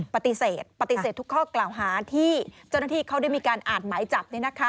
ปฏิเสธปฏิเสธทุกข้อกล่าวหาที่เจ้าหน้าที่เขาได้มีการอ่านหมายจับ